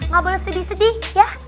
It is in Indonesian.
gak boleh sedih sedih ya